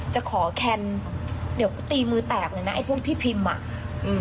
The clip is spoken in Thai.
จะขอแคนเดี๋ยวกูตีมือแตกเลยนะไอ้พวกที่พิมพ์อ่ะอืม